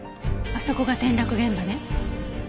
あそこが転落現場ね。